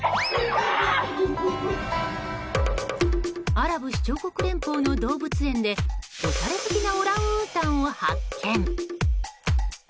アラブ首長国連邦の動物園でおしゃれ好きなオランウータンを発見。